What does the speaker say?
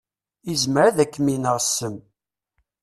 Izmer ad kem-ineɣ ssem.